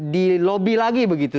di lobby lagi begitu